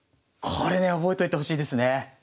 これね覚えといてほしいですね。